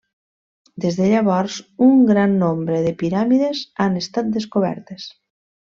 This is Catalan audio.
Des de llavors, un gran nombre de piràmides han estat descobertes.